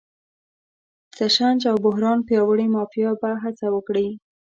د تشنج او بحران پیاوړې مافیا به هڅه وکړي.